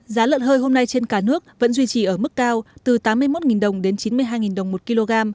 giá lợn hơi hôm nay trên cả nước vẫn duy trì ở mức cao từ tám mươi một đồng đến chín mươi hai đồng một kg